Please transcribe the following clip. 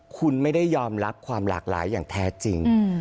คุณไม่ได้ยอมรับความหลากหลายอย่างแท้จริง